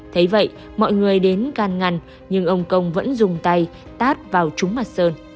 thế vậy mọi người đến can ngăn nhưng ông công vẫn dùng tay tát vào trúng mặt sơn